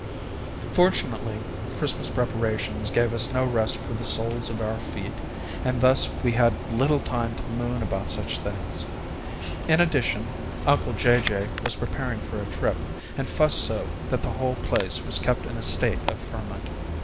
Fortunately, Christmas preparations gave us no rest for the soles of our feet, and thus we had little time to moon about such things: in addition, uncle Jay Jay was preparing for a trip, and fussed so that the whole place was kept in a state of ferment.